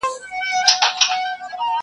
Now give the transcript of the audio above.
له حملې سره ملگری یې غړومبی سو!!